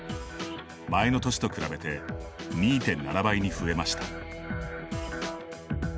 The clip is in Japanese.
前の年と比べて２．７倍に増えました。